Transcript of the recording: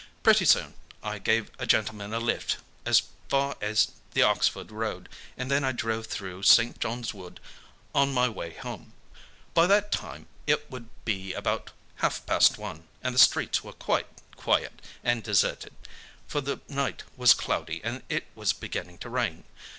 Pretty soon I gave a gentleman a lift as far as the Oxford Road, and then I drove through St. John's Wood on my way home. By that time it would be about half past one, and the streets were quite quiet and deserted, for the night was cloudy and it was beginning to rain.